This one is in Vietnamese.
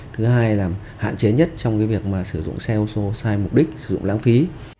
thứ hai là hạn chế nhất trong cái việc mà sử dụng xe ô tô sai mục đích sử dụng lãng phí